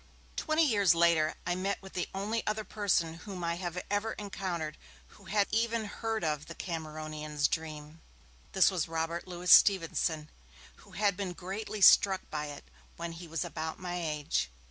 Twenty years later I met with the only other person whom I have ever encountered who had even heard of 'The Cameronian's Dream'. This was Robert Louis Stevenson, who had been greatly struck by it when he was about my age.